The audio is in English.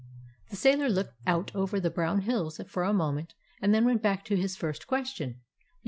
The sailor looked out over the brown hills for a moment and then went back to his first question : "You like it here?"